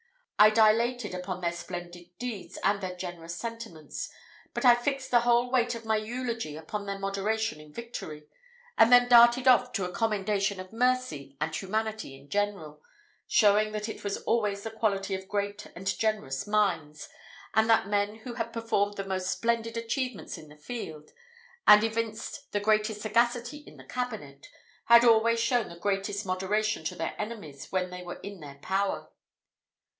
I dilated upon their splendid deeds, and their generous sentiments, but I fixed the whole weight of my eulogy upon their moderation in victory, and then darted off to a commendation of mercy and humanity in general; showing that it was always the quality of great and generous minds, and that men who had performed the most splendid achievements in the field, and evinced the greatest sagacity in the cabinet, had always shown the greatest moderation to their enemies when they were in their power.